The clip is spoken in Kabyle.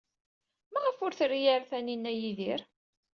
Maɣef ur tri ara Taninna Yidir?